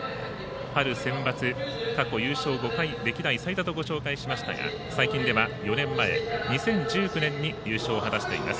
春センバツ、過去優勝５回歴代最多とご紹介しましたが最近では、４年前、２０１９年に優勝を果たしています。